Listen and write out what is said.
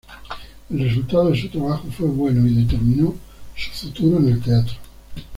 El resultado de su trabajo fue bueno, y determinó su futuro en el teatro.